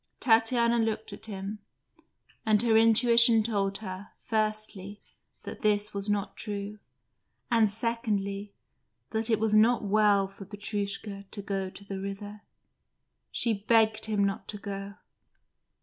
Tatiana looked at him, and her intuition told her, firstly, that this was not true, and, secondly, that it was not well for Petrushka to go to the river. She begged him not to go.